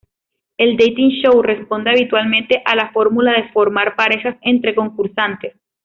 El "dating show" responde habitualmente a la fórmula de formar parejas entre concursantes.